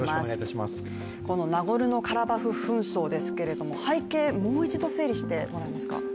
このナゴルノ・カラバフ紛争ですけれども背景、もう一度整理してもらえますか？